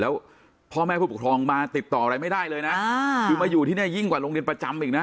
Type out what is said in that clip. แล้วพ่อแม่ผู้ปกครองมาติดต่ออะไรไม่ได้เลยนะคือมาอยู่ที่นี่ยิ่งกว่าโรงเรียนประจำอีกนะ